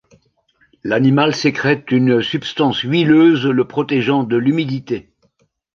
L'animal sécrète une substance huileuse le protégeant de l'humidité.